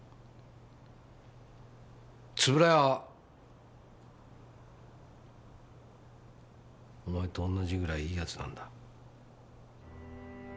円谷はお前と同じぐらいいい奴なんだ。